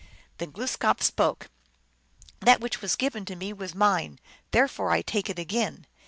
Then Glooskap spoke :" That which was given to me was mine ; therefore I take it again."